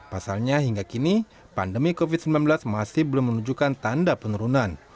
pasalnya hingga kini pandemi covid sembilan belas masih belum menunjukkan tanda penurunan